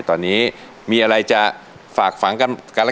ตอนนี้มีอะไรจะฝากฝังกันแล้วกันอีกมั้ยครับ